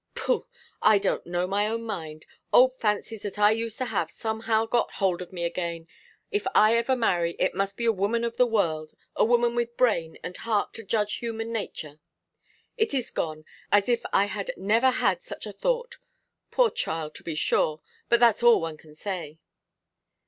Pooh! I don't know my own mind. Old fancies that I used to have somehow got hold of me again If I ever marry, it must be a woman of the world, a woman with brain and heart to judge human nature. It is gone, as if I had never had such a thought. Poor child, to be sure; but that's all one can say.